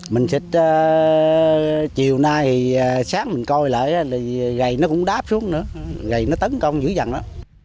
mình xịt chiều nay sáng mình coi lại gầy nó cũng đáp xuống nữa gầy nó tấn công dữ dằn đó